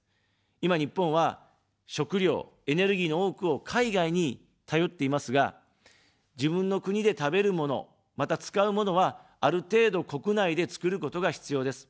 今、日本は、食料、エネルギーの多くを海外に頼っていますが、自分の国で食べるもの、また、使うものは、ある程度、国内で作ることが必要です。